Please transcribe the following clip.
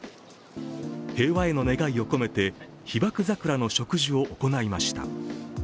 平和への願いを込めて被爆桜の植樹を行いました。